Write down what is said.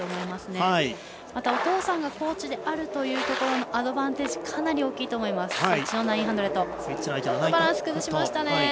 また、お父さんがコーチであるということのアドバンテージかなり大きいと思います。